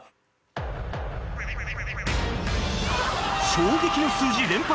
衝撃の数字連発！